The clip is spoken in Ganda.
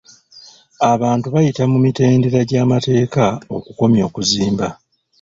Abantu baayita mu mitendera gy'amateeka okukomya okuzimba.